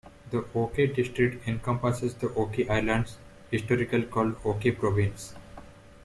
The Oki District encompasses the Oki Islands, historically called Oki Province.